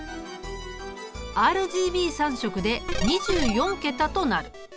ＲＧＢ３色で２４桁となる。